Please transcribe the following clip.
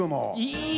いい！